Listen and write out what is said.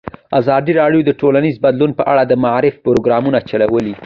ازادي راډیو د ټولنیز بدلون په اړه د معارفې پروګرامونه چلولي.